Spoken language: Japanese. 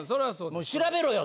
もう調べろよ！